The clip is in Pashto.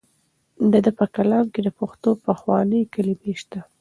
د ده په کلام کې د پښتو پخوانۍ کلمې شته.